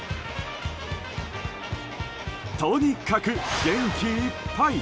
とにかく元気いっぱい！